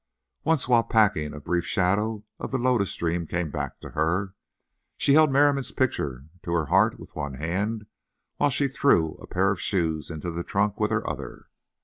Once while packing, a brief shadow of the lotus dream came back to her. She held Merriam's picture to her heart with one hand, while she threw a pair of shoes into the trunk with her other.